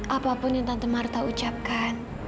apapun yang tante marta ucapkan